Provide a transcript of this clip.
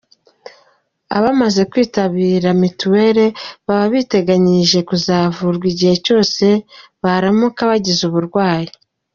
Abamaze kwitabira Mituweli baba biteganyirije kuzavurwa igihe cyose baramuka bagize uburwayi.